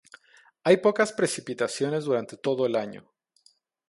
Hay pocas precipitaciones durante todo el año.